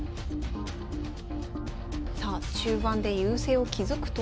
さあ中盤で優勢を築くと。